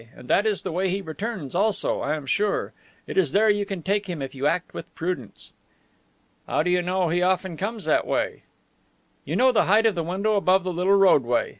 And that is the way he returns also, I am sure. It is there you can take him if you act with prudence." "How do you know he often comes that way?" "You know the height of the window above the little roadway.